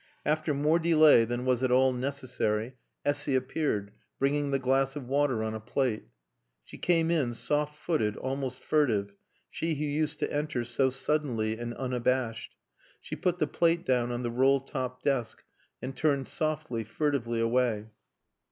After more delay than was at all necessary Essy appeared, bringing the glass of water on a plate. She came in, soft footed, almost furtive, she who used to enter so suddenly and unabashed. She put the plate down on the roll top desk and turned softly, furtively, away.